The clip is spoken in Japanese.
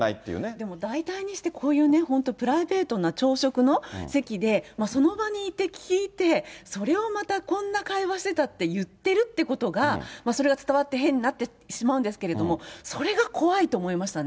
でも、大体にして、こういうね、本当、プライベートな朝食の席でその場にいて聞いて、それをまたこんな会話してたって言ってるってことが、それが伝わって変になってしまうんですけれども、それが怖いと思いましたね。